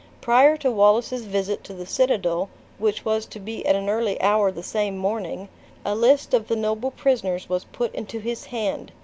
Prior to Wallace's visit to the citadel, which was to be at an early hour the same morning, a list of the noble prisoners was put into his hand.